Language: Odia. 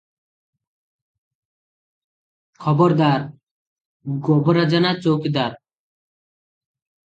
'ଖବରଦାର! ଗୋବରା ଜେନା ଚଉକିଦାର ।'